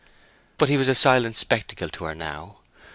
But he was a silent spectacle to her now.